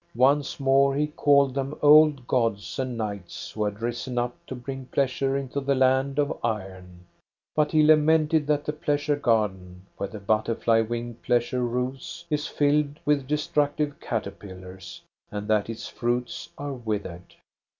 Once more he called them old gods and knights who had risen up to bring pleasure into the land of iron. But he lamented that the pleasure garden where the butterfly winged pleasure roves is filled with destructive caterpillars, and that its fruits are withered.